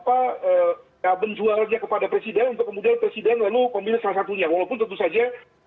penjualannya kepada presiden untuk kemudian presiden lalu kombinasi salah satunya walaupun tentu saja